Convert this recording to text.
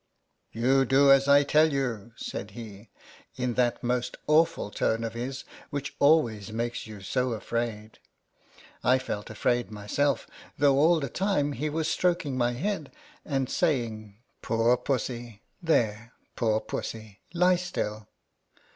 " You do as I tell you," said he, in that most awful tone of his, which always makes you so afraid. I felt afraid myself, though all the time he was stroking my head, and saying, " Poor pussy, there, poor pussy, lie still."